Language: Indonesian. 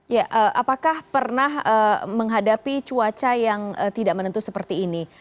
ya apakah pernah menghadapi cuaca yang tidak menentu seperti ini